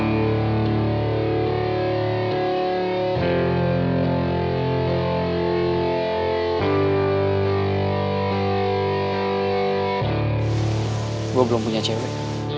gue belum punya cewek